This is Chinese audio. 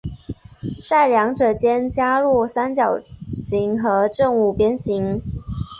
在两者间加入三角形和正五边形。